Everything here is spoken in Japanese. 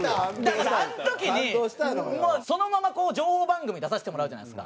だからあの時にそのまま情報番組出させてもらうじゃないですか。